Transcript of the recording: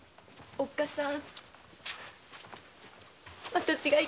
おっかさん